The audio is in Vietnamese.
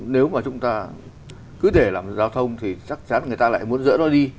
nếu mà chúng ta cứ để làm giao thông thì chắc chắn người ta lại muốn dỡ nó đi